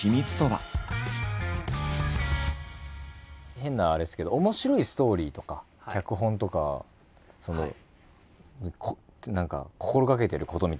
変なあれですけど面白いストーリーとか脚本とか何か心がけてることみたいなのあるんですか？